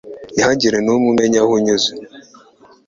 ntihagira n’umwe umenya aho unyuze